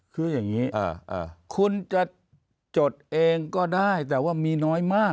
คืออย่างนี้คุณจะจดเองก็ได้แต่ว่ามีน้อยมาก